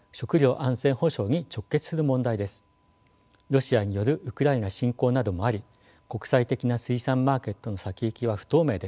ロシアによるウクライナ侵攻などもあり国際的な水産マーケットの先行きは不透明です。